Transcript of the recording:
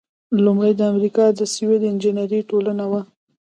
لومړۍ د امریکا د سیول انجینری ټولنه وه.